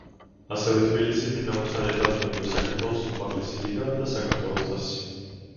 ასევე თბილისის დინამოსთან ერთად მოიგო საქართველოს უმაღლესი ლიგა და საქართველოს თასი.